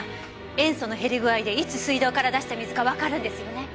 塩素の減り具合でいつ水道から出した水かわかるんですよね？